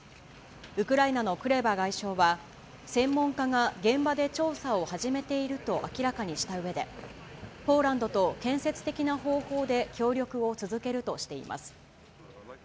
ウクライナのクレバ外相は、専門家が現場で調査を始めていると明らかにしたうえで、ポーランドと建設的な方法で協力を続けるとしています。